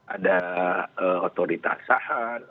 ada otorita asahan